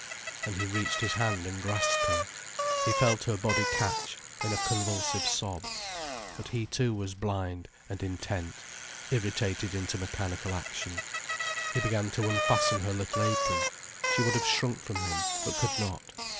And he reached his hand and grasped her. He felt her body catch in a convulsive sob. But he too was blind, and intent, irritated into mechanical action. He began to unfasten her little apron. She would have shrunk from him, but could not.